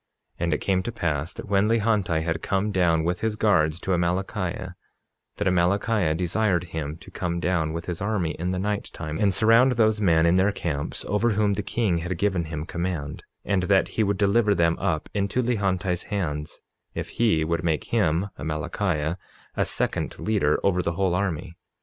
47:13 And it came to pass that when Lehonti had come down with his guards to Amalickiah, that Amalickiah desired him to come down with his army in the night time, and surround those men in their camps over whom the king had given him command, and that he would deliver them up into Lehonti's hands, if he would make him (Amalickiah) a second leader over the whole army.